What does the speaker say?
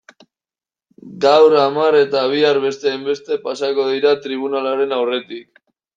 Gaur hamar eta bihar beste hainbeste pasako dira tribunalaren aurretik.